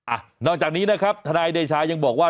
นอกจากนี้นะครับทนายเดชายังบอกว่า